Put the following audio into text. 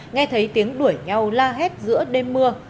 nghe thấy tiếng đuổi nhau la hét giữa đêm mưa